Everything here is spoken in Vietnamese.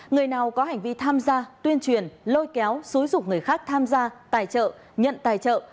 người nào có hành vi tham gia tuyên truyền lôi kéo xúi dục người khác tham gia tài trợ nhận tài trợ